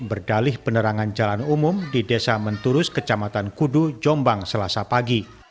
berdalih penerangan jalan umum di desa menturus kecamatan kudu jombang selasa pagi